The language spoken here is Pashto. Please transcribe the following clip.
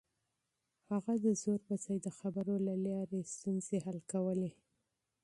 هغه د زور پر ځای د خبرو له لارې ستونزې حل کولې.